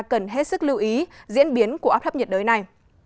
cần hết sức lưu ý diễn biến của áp thấp nhiệt đới này